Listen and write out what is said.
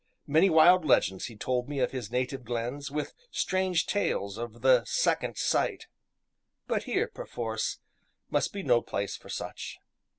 Many wild legends he told me of his native glens, with strange tales of the "second sight" but here, perforce, must be no place for such.